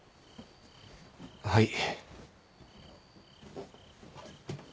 はい。